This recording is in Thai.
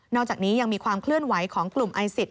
อกจากนี้ยังมีความเคลื่อนไหวของกลุ่มไอซิส